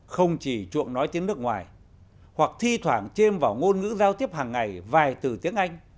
không chỉ chuộng nói tiếng nước ngoài hoặc thi thoảng chiêm vào ngôn ngữ giao tiếp hàng ngày vài từ tiếng anh